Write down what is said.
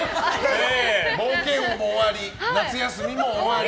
冒険王も終わり夏休みも終わり。